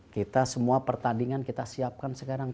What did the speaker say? kita semua pertandingan kita siapkan sekarang